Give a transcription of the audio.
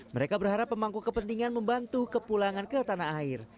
mereka berharap pemangku kepentingan membantu kepulangan ke tanah air